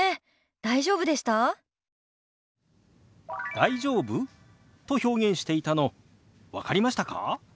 「大丈夫？」と表現していたの分かりましたか？